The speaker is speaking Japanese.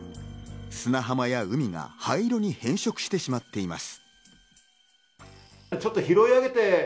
砂浜や海が灰色に変色してしまっています。